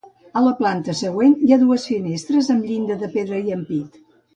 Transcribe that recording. A la planta següent hi ha dues finestres amb llinda de pedra i ampit.